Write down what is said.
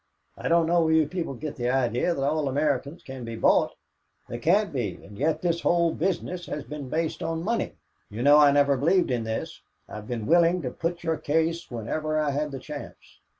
I don't know where you people get the idea that all Americans can be bought. They can't be, and yet this whole business has been based on money. You know I never believed in this. I have been willing to put your case whenever I had the chance.